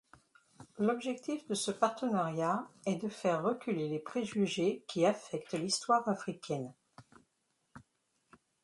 L’objectif de ce partenariat est de faire reculer les préjugés qui affectent l’histoire africaine.